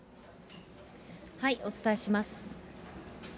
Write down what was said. お伝えします。